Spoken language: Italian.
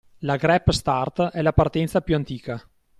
La grap start è la partenza più antica